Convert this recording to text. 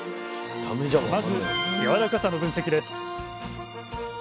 まずやわらかさの分析です。